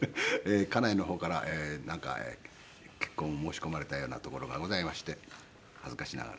家内の方から結婚を申し込まれたようなところがございまして恥ずかしながら。